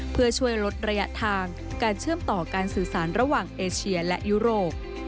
เพื่อช่วยลดระยะทางการเชื่อมต่อการสื่อสารระหว่างเอเชียและยุโรป